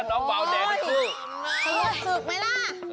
น้องเบาแดงซื้อ